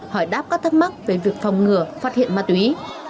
hỏi đáp các thắc mắc về việc phòng ngừa phát hiện ma túy